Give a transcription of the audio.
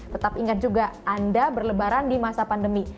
tetap ingat juga anda berlebaran di masa pandemi